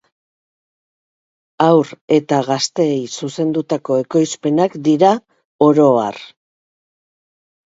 Haur eta gazteei zuzendutako ekoizpenak dira oro har.